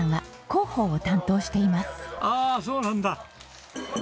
ああそうなんだ。